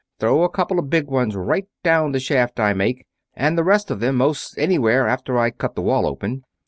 Throw a couple of big ones right down the shaft I make, and the rest of them most anywhere, after I cut the wall open.